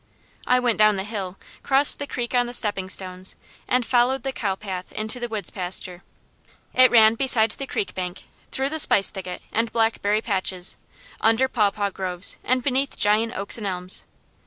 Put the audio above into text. I went down the hill, crossed the creek on the stepping stones, and followed the cowpath into the woods pasture. It ran beside the creek bank through the spice thicket and blackberry patches, under pawpaw groves, and beneath giant oaks and elms.